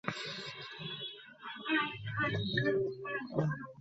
মেয়েদের সঙ্গে যে যুবকটি আসিয়াছিল তাহার সঙ্গেও বিনয়ের আলাপ হইয়া গেল।